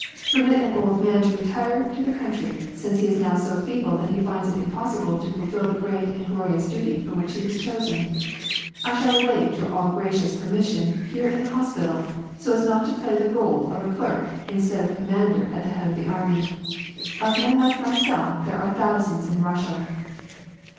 Permit an old man to retire to the country, since he is now so feeble that he finds it impossible to fulfil the G[reat and glorious duty for whicli he was chosen. I shall await vour all gracious permission here in the hospital, so as not to play the role of a clerk instead of commander at the head of the army. Of men like myself there are thousands in Russia.